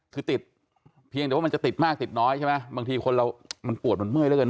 คือติดเพียงแต่ว่ามันจะติดมากติดน้อยใช่ไหมบางทีคนเรามันปวดมันเมื่อยแล้วเกิน